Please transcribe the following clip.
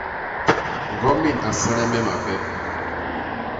Ñgomin a nsane me mapep.